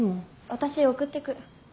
私送ってく。